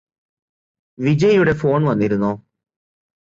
വിജയിയുടെ phone വന്നിരുന്നോ